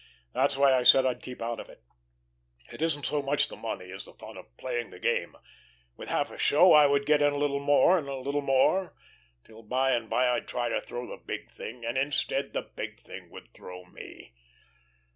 That's why I said I'd keep out of it. It isn't so much the money as the fun of playing the game. With half a show, I would get in a little more and a little more, till by and by I'd try to throw a big thing, and instead, the big thing would throw me.